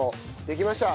できました。